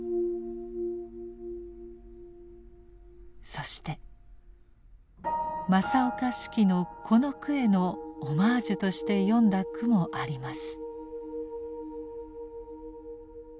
そして正岡子規のこの句へのオマージュとして詠んだ句もあります。